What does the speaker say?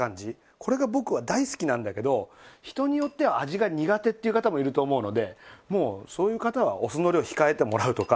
これが僕は大好きなんだけど人によっては味が苦手っていう方もいると思うのでもうそういう方はお酢の量を控えてもらうとか。